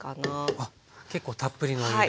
あっ結構たっぷりのお湯で。